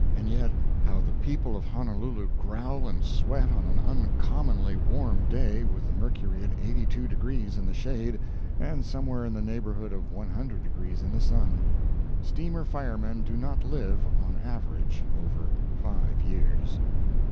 And yet how the people of Honolulu growl and sweat on an uncommonly warm day, with the mercury at 82 degrees in the shade and somewhere in the neighborhood of 100 degrees in the sun! Steamer firemen do not live, on an average, over 5 years.